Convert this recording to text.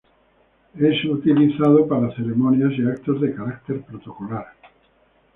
Es utilizado para ceremonias y actos de carácter protocolar.